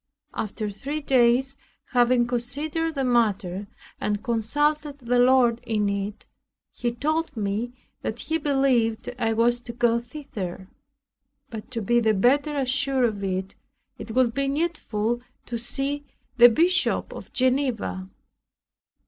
After three days, having considered the matter, and consulted the Lord in it, he told me that he believed I was to go thither; but to be the better assured of it, it would be needful to see the Bishop of Geneva.